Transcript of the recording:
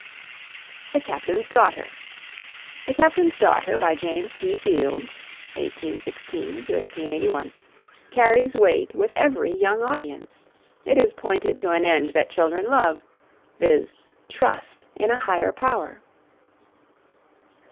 THE CAPTAIN'S DAUGHTER. "The Captain's Daughter," by James T. Fields (1816 81), carries weight with every young audience. It is pointed to an end that children love viz., trust in a higher power.